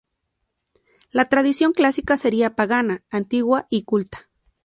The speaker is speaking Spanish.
La tradición clásica sería pagana, antigua y culta.